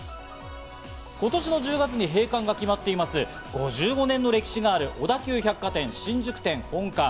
今年の１０月に閉館が決まっています、５５年の歴史がある小田急百貨店新宿店本館。